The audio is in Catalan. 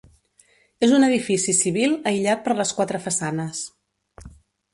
És un edifici civil aïllat per les quatre façanes.